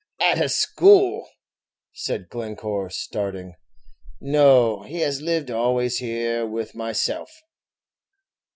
"At a school!" said Glencore, starting; "no, he has lived always here with myself.